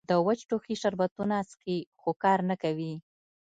د وچ ټوخي شربتونه څښي خو کار نۀ کوي